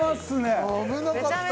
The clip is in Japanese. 危なかった。